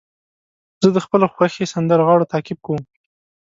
زه د خپلو خوښې سندرغاړو تعقیب کوم.